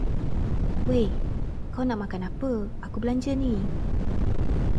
Wei, kau nak makan apa aku belanja ni.